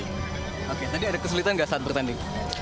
oke tadi ada kesulitan nggak saat bertanding